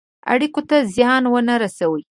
اړېکو ته زیان ونه رسوي.